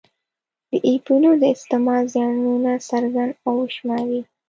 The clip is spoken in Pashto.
د اپینو د استعمال زیانونه څرګند او وشماري.